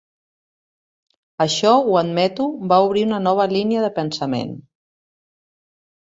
Això, ho admeto, va obrir una nova línia de pensament.